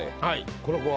この子は。